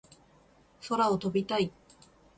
空を飛びたい